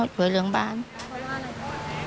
นายว่าไหนบอกนะ